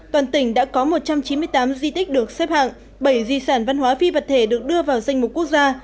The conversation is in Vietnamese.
toàn tỉnh đã có một trăm chín mươi tám di tích được xếp hạng bảy di sản văn hóa phi vật thể được đưa vào danh mục quốc gia